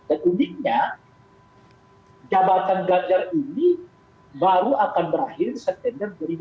dan uniknya jabatan gajar ini baru akan berakhir di september dua ribu dua puluh tiga